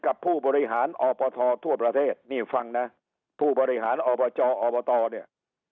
ผู้บริหารอบททั่วประเทศนี่ฟังนะผู้บริหารอบจอบตเนี่ย